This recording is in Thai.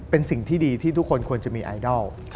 เป็นสิ่งที่ดีที่ทุกคนควรจะมีไอดอล